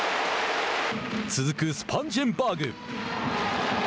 続くスパンジェンバーグ。